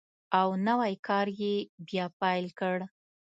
او نوی کار یې بیا پیل کړ.